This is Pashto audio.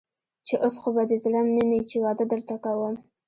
چې اوس خو به دې زړه مني چې واده درته کوم.